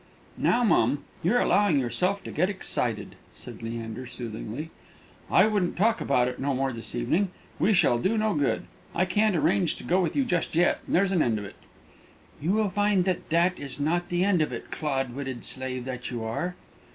"Now, mum, you're allowing yourself to get excited," said Leander, soothingly. "I wouldn't talk about it no more this evening; we shall do no good. I can't arrange to go with you just yet, and there's an end of it." "You will find that that is not the end of it, clod witted slave that you are!"